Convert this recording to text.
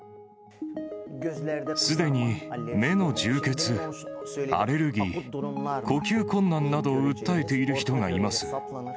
すでに目の充血、アレルギー、呼吸困難などを訴えている人がいます。